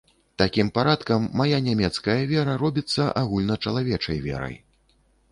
Такім парадкам мая нямецкая вера робіцца агульначалавечай верай.